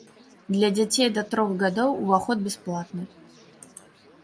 Для дзяцей да трох гадоў уваход бясплатны.